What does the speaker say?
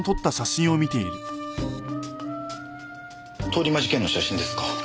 通り魔事件の写真ですか。